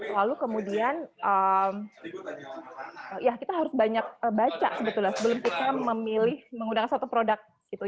lalu kemudian kita harus banyak baca sebelum kita memilih menggunakan satu produk